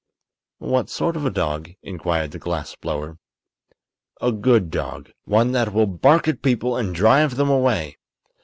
"What sort of a dog?" inquired the glass blower. "A good dog. One that will bark at people and drive them away.